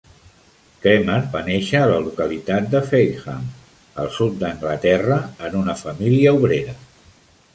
Cremer va néixer a la localitat de Fareham, al sud d'Anglaterra, en una família obrera.